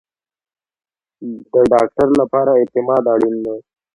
د ډاکټر لپاره اعتماد اړین دی